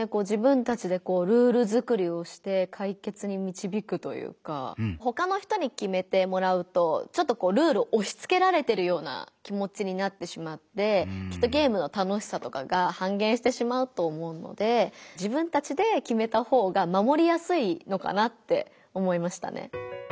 自分たちでこうルール作りをして解決にみちびくというかほかの人に決めてもらうとちょっとこうルールをおしつけられてるような気もちになってしまってきっとゲームの楽しさとかが半減してしまうと思うので自分たちで決めた方がまもりやすいのかなって思いましたね。